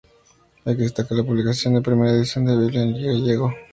Hay que destacar la publicación de la primera edición de la Biblia en gallego.